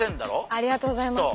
ありがとうございます。